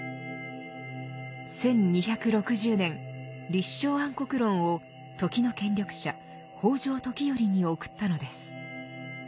１２６０年「立正安国論」を時の権力者北条時頼に送ったのです。